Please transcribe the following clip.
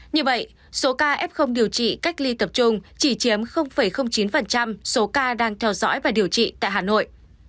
như vậy số ca f điều trị cách ly tập trung chỉ chiếm chín số ca đang theo dõi và điều trị tại hà nội